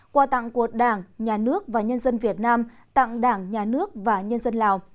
quà tặng của đảng nhà nước và nhân dân việt nam tặng đảng nhà nước và nhân dân lào